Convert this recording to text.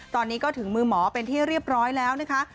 ตอนนี้ก็ถึงมือหมอเป็นที่เรียบร้อยแล้วนะคะ